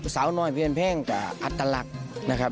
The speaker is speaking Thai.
สาวน้อยเพชรบ้านแพงก็อัตลักษณ์นะครับ